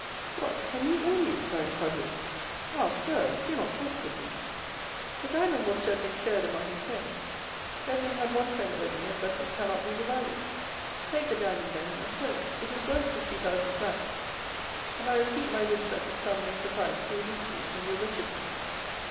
"What, for me only?" cried Caderousse, "ah, sir, do not jest with me!" "This diamond was to have been shared among his friends. Edmond had one friend only, and thus it cannot be divided. Take the diamond, then, and sell it; it is worth fifty thousand francs, and I repeat my wish that this sum may suffice to release you from your wretchedness."